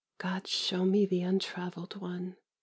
(God show me the untraveled one!